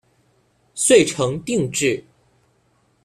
遂成定制。